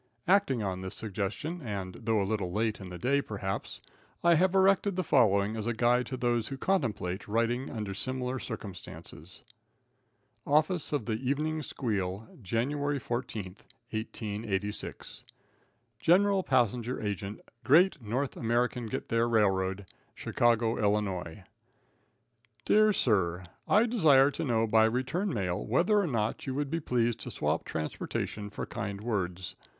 Acting on this suggestion and though a little late in the day, perhaps, I have erected the following as a guide to those who contemplate writing under similar circumstances: Office of The Evening Squeal, January 14, 1886. General Passenger Agent, Great North American Gitthere R.R., Chicago, Ill. Dear Sir. I desire to know by return mail whether or no you would be pleased to swap transportation for kind words.